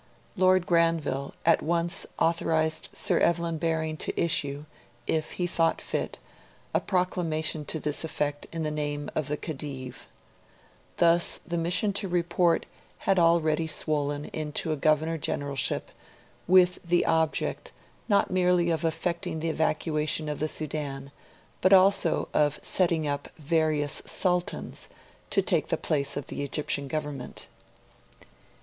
Lord Granville at once authorised Sir Evelyn Baring to issue, if he thought fit, a proclamation to this effect in the name of the Khedive. Thus the mission 'to report' had already swollen into a Governor Generalship, with the object, not merely of effecting the evacuation of the Sudan, but also of setting up 'various Sultans' to take the place of the Egyptian Government.